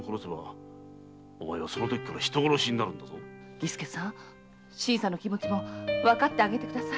儀助さん新さんの気持ちもわかってあげてください。